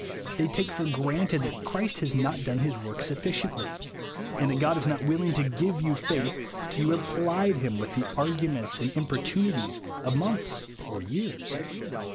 They take for granted that Christ has not done his work sufficiently, and that God is not will ing to give you faith till you have plied him with the arguments and importunities IJELIEVE JUST KOW. 121 of months or years.